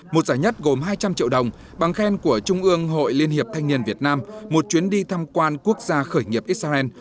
một giải nhất gồm hai trăm linh triệu đồng bằng khen của trung ương hội liên hiệp thanh niên việt nam một chuyến đi thăm quan quốc gia khởi nghiệp israel